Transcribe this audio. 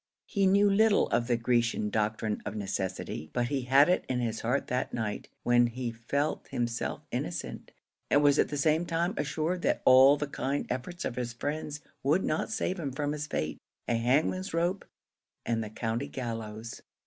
He knew little of the Grecian's doctrine of necessity; but he had it in his heart that night, when he felt himself innocent, and was at the same time assured that all the kind efforts of his friends would not save him from his fate a hangman's rope and the county gallows.